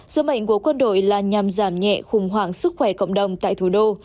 sứ mệnh của quân đội là nhằm giảm nhẹ khủng hoảng sức khỏe cộng đồng tại thủ đô